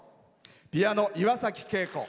ピアノ、岩崎恵子。